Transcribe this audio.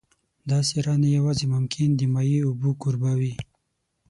دا سیاره نه یوازې ممکن د مایع اوبو کوربه وي